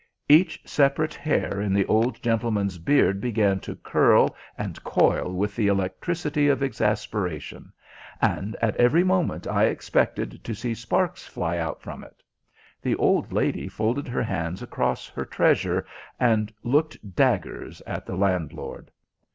Each separate hair in the old gentleman's beard began to curl and coil with the electricity of exasperation, and at every moment I expected to see sparks fly out from it. The old lady folded her hands across her treasure, and looked daggers at the landlord.